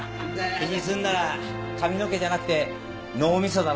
気にすんなら髪の毛じゃなくて脳味噌だろ。